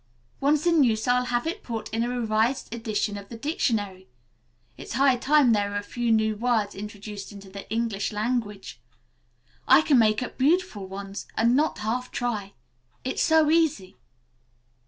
Once in use, I'll have it put in a revised edition of the dictionary. It's high time there were a few new words introduced into the English language. I can make up beautiful ones and not half try. It's so easy."